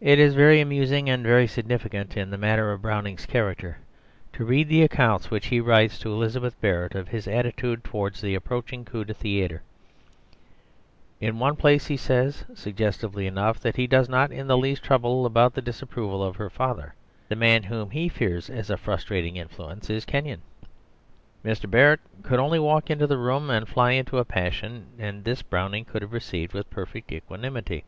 It is very amusing, and very significant in the matter of Browning's character, to read the accounts which he writes to Elizabeth Barrett of his attitude towards the approaching coup de théâtre. In one place he says, suggestively enough, that he does not in the least trouble about the disapproval of her father; the man whom he fears as a frustrating influence is Kenyon. Mr. Barrett could only walk into the room and fly into a passion; and this Browning could have received with perfect equanimity.